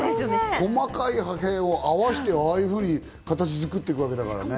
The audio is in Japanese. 細かい破片を合わせて、ああいうふうに形づくっていくわけだからね。